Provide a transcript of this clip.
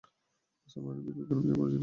মুসলমানরাও বীরবিক্রমে জীবনবাজি রেখে লড়ে চলছে।